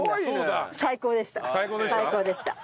最高でした？